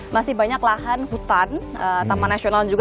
masih banyak lahan hutan taman nasional juga